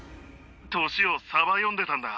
年をサバ読んでたんだ。